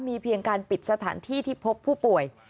มีเพียงการปิดสถานที่ที่พบผู้ป่วย